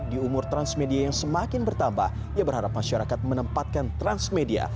di umur transmedia yang semakin bertambah ia berharap masyarakat menempatkan transmedia